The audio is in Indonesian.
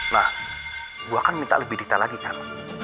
nah gue akan minta lebih detail lagi kan